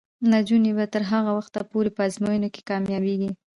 نجونې به تر هغه وخته پورې په ازموینو کې کامیابیږي.